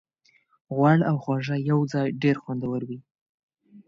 غوړ او خوږه یوځای ډېر خوندور وي.